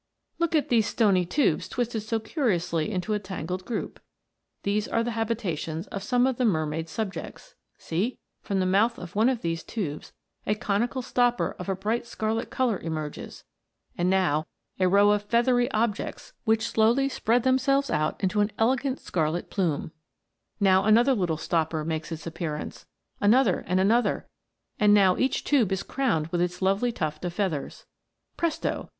Look at these stony tubes twisted so curiously into a tangled group. These are the habitations of some of the mermaid's subjects. See! from the mouth of one of these tubes a conical stopper of a bright scarlet colour emerges, and now a row of feathery objects which slowly spread themselves out * Sun star. t Bird's foot Star. Brittle star. $ Echinus, or Sea urchin. 126 THE MERMAID'S HOME. into an elegant scarlet plume. Now another little stopper makes its appearance; another and another ; and now each tube is crowned with its lovely tuft of feathers. Presto